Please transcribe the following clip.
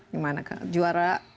gimana juara satu